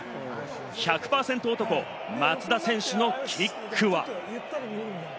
１００％男・松田選手のキックは。